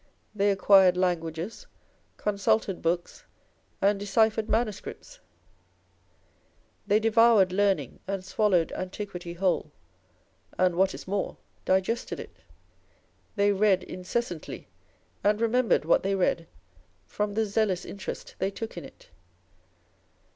They acquired languages, consulted books, and decyphered manuscripts. They devoured learning, and swallowed antiquity whole, and (what is more) digested it. They 444 On Old English Writers and Speakers. read incessantly, and remembered what they read, from the zealous interest they took in it.